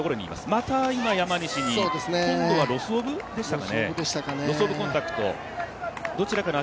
また今、山西に、今度はロス・オブ・コンタクトでしたかね。